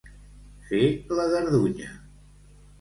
Fer la gardunya.